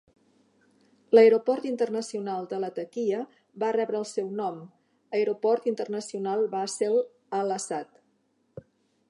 L'aeroport internacional de Latakia va rebre el seu nom, Aeroport Internacional Bassel Al-Àssad.